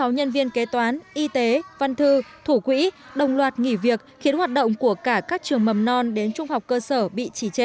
sáu nhân viên kế toán y tế văn thư thủ quỹ đồng loạt nghỉ việc khiến hoạt động của cả các trường mầm non đến trung học cơ sở bị trì trệ